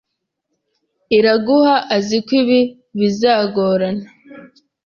Iraguha azi ko ibi bizagorana.